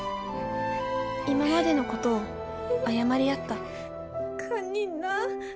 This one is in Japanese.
今までのことを謝り合った堪忍な。